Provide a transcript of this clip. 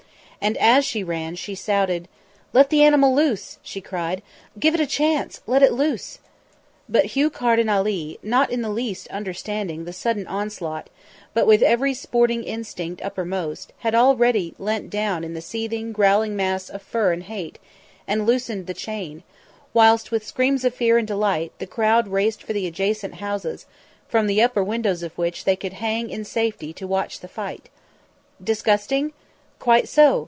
And as she ran she shouted: "Let the animal loose," she cried. "Give it a chance; let it loose." But Hugh Carden Ali, not in the least understanding the sudden onslaught, but with every sporting instinct uppermost, had already leant down in the seething, growling mass of fur and hate, and loosened the chain; whilst, with screams of fear and delight, the crowd raced for the adjacent houses, from the upper windows of which they could hang in safety to watch the fight. Disgusting? Quite so!